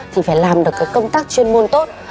thì phải làm được công tác chuyên môn tốt